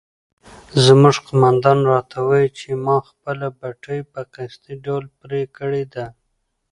زموږ قومندان راته وایي چې ما خپله پټۍ په قصدي ډول پرې کړې ده.